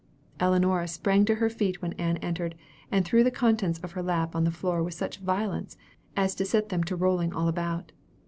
Ellinora sprang to her feet when Ann entered, and threw the contents of her lap on the floor with such violence, as to set them to rolling all about.